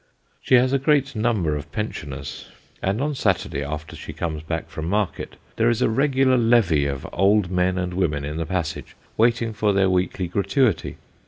She has a great number of pensioners : and on Saturday, after she comes back from market, there is a regular levee of old men and women in the passage, waiting for their weekly gratuity.